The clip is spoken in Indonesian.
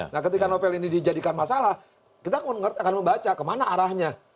nah ketika novel ini dijadikan masalah kita akan membaca kemana arahnya